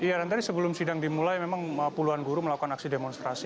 iya dan tadi sebelum sidang dimulai memang puluhan guru melakukan aksi demonstrasi